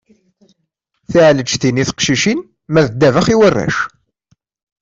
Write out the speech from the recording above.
Tiɛleǧtin i teqcicin ma d ddabax i warrac.